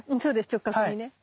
直角にね。